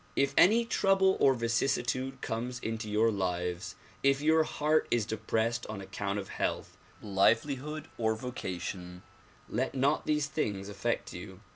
If any trouble or vicissitude comes into your lives, if your heart is depressed on account of health, livelihood or vocation, let not these things affect you.